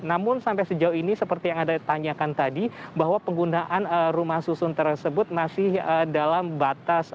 namun sampai sejauh ini seperti yang anda tanyakan tadi bahwa penggunaan rumah susun tersebut masih dalam batas